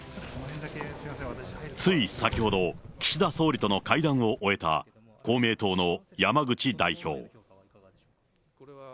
つい先ほど、岸田総理との会談を終えた公明党の山口代表。